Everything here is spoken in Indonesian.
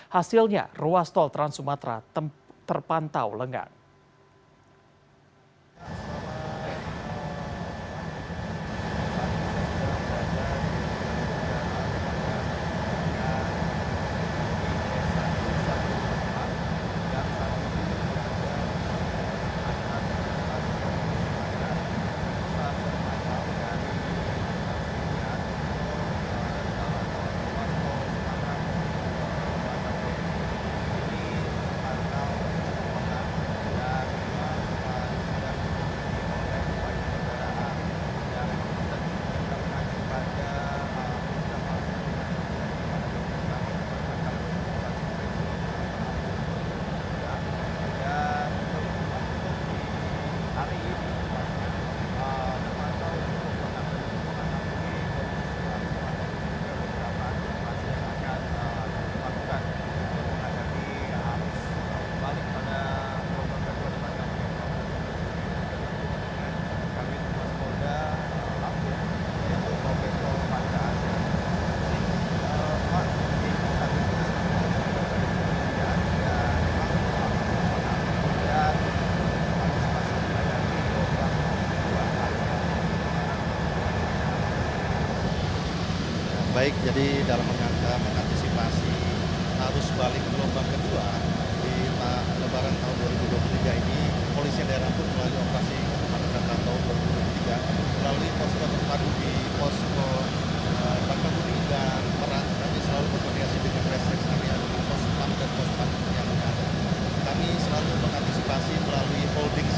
hasilnya ruas tol trans sumatra terpantau lengang